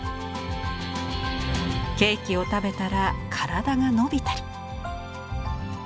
ケーキを食べたら体が伸びたり。